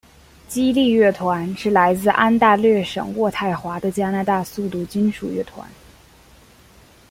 激励乐团是来自安大略省渥太华的加拿大速度金属乐团。